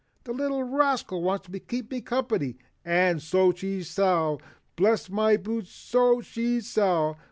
"The little rascal wants to keep me company, and so she shall, bless my boots, so she shall!